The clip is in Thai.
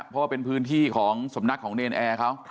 เพราะว่าเป็นพื้นที่ของสำนักของเนรนแอร์เขา